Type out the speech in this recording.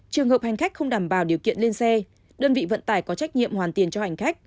trường hợp hành khách không đảm bảo điều kiện lên xe đơn vị vận tải có trách nhiệm hoàn tiền cho hành khách